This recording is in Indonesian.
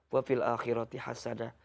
wa fil akhirati hasana